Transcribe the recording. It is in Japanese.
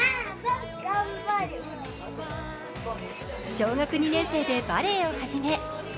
小学２年生でバレーを始め